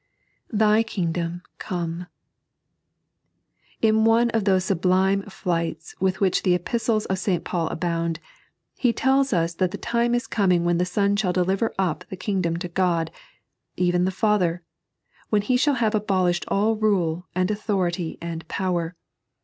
" Tht KraaDOH Cohe." In one of those sublime flights with which the EpisUes of St. Paul abound, he tells us that the time is coming when the Son shall deliver up the king dom to God, even the Kither, when He shall have abolished all rule, and authority, and power.